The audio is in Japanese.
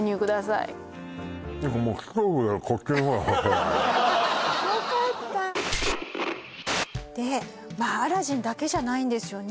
いやもうよかったアラジンだけじゃないんですよね